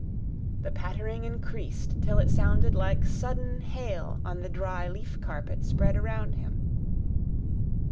The pattering increased till it sounded like sudden hail on the dry leaf carpet spread around him.